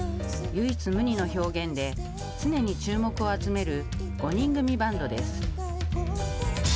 唯一無二の表現で常に注目を集める５人組バントです。